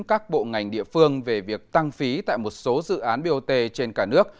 các bộ ngành địa phương về việc tăng phí tại một số dự án bot trên cả nước